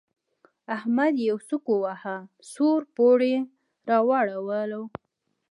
احمد يې يو سوک وواهه؛ سوړ پوړ يې راواړاوو.